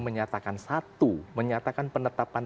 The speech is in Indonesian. menyatakan satu menyatakan penetapan